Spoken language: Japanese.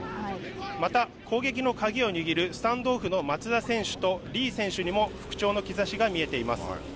また攻撃の鍵を握るスタンドオフの松田選手と李選手にも復調の兆しが見えています。